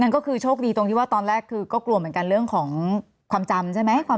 ก็คือโชคดีตรงที่ว่าตอนแรกคือก็กลัวเหมือนกันเรื่องของความจำใช่ไหม